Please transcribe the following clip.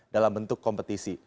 dalam bentuk kompetisi